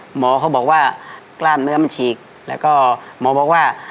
หมอเขาบอกว่ากล้ามเนื้อมันฉีกแล้วก็หมอบอกว่า